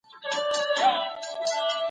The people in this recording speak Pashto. که څېړنه دقیقه وي پایلي به یې ګټورې وي.